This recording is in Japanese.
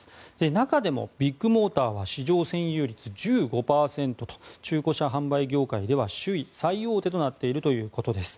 中でもビッグモーターは市場占有率１５％と中古車販売業界では首位、最大手となっているということです。